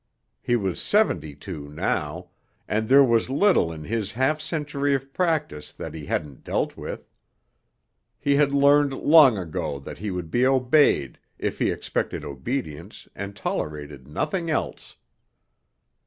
He was seventy two now, and there was little in his half century of practice that he hadn't dealt with. He had learned long ago that he would be obeyed if he expected obedience and tolerated nothing else.